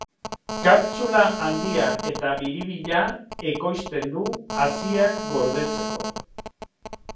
Kapsula handia eta biribila ekoizten du haziak gordetzeko.